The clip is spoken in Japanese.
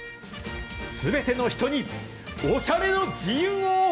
すべての人にオシャレの自由を。